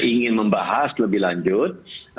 ingin membahas lebih lanjut